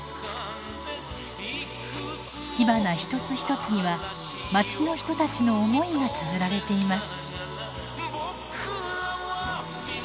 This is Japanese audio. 火花一つ一つにはまちの人たちの思いがつづられています。